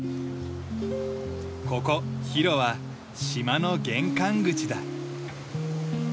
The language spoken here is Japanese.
ここヒロは島の玄関口だ。